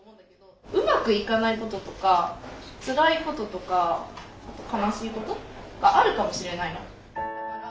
うまくいかないこととかつらいこととか悲しいことがあるかもしれないの。